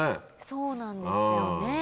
そうなんですよね。